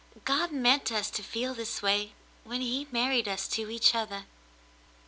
God meant us to feel this way, when he married us to each other."